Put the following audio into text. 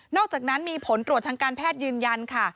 อกจากนั้นมีผลตรวจทางการแพทย์ยืนยันค่ะ